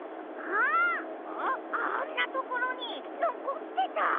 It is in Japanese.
あんなところにのこってた！